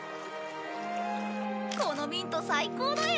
このミント最高だよ！